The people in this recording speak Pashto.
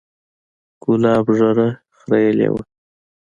ګلاب ږيره خرييلې وه.